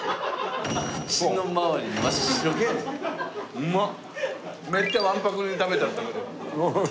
うまっ！